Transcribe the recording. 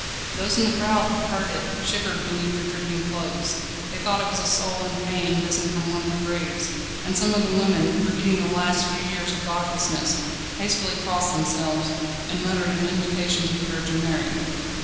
Those in the crowd who heard it, shivered beneath their dripping clothes. They thought it was a soul in pain risen from one of the graves, and some of the women, forgetting the last few years of godlessness, hastily crossed themselves, and muttered an invocation to the Virgin Mary.